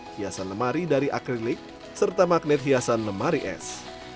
hiasan lemari dari akrilik serta magnet hiasan lemari es